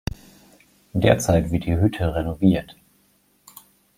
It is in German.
Derzeit wird die Hütte renoviert.